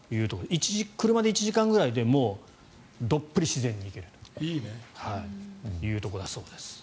車で１時間ぐらいでもうどっぷり自然に行けるところだそうです。